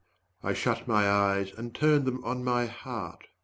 I shut my eyes and turned them on my heart.